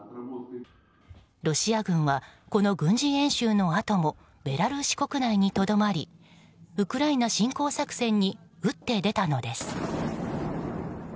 ロシア軍はこの軍事演習のあともベラルーシ国内にとどまりウクライナ侵攻作戦に打って出たのです。